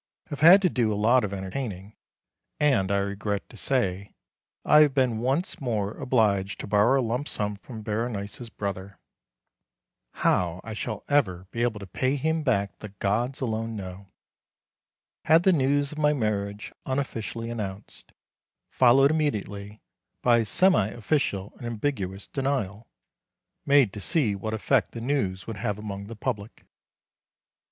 Have had to do a lot of entertaining, and I regret to say I have been once more obliged to borrow a lump sum from Berenice's brother. How I shall ever be able to pay him back the gods alone know! Had the news of my marriage unofficially announced, followed immediately by a semi official and ambiguous denial, made to see what effect the news would have among the public.